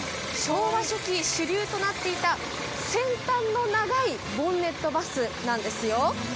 昭和初期主流となっていた先端の長いボンネットバスなんですよ。